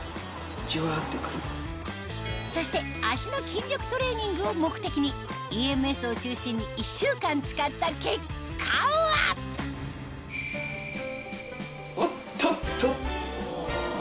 そして足の筋力トレーニングを目的にＥＭＳを中心に１週間使った結果はおっとっと。